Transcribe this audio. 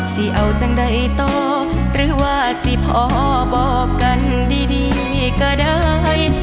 สิเอาจังใดต่อหรือว่าสิพอบอกกันดีก็ได้